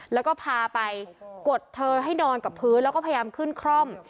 แล้วก็พาไปกดเธอให้นอนกับพื้นแล้วก็พยายามขึ้นคร่อม